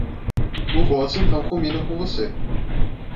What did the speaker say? O rosa então combina com você.